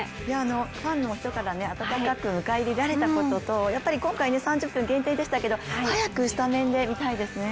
ファンの人から温かく迎え入れられたこととやっぱり今回、３０分限定でしたけど早くスタメンで見たいですね。